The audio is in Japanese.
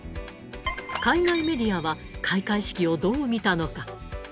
海外メディアは開会式をどう見たのか。